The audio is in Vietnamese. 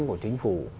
của chính phủ